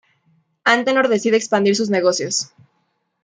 Antenor decide expandir sus negocios.